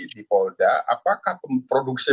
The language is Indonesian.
di polda apakah memproduksi